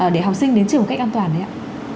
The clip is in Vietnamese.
để học sinh đến trường một cách an toàn đấy ạ